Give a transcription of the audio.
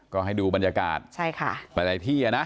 ก็ให้ดูบรรยากาศใช่ค่ะบรรยาที่อ่ะนะ